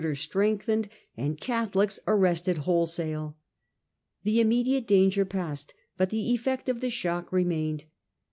VII A MOMENTOUS RESOLUTION 97 strengthened, and Catholics arrested wholesale. The immediate danger passed, but the effect of the shock remained.